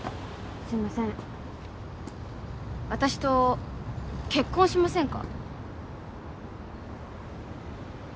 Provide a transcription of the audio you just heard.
すいません私と結婚しませんか？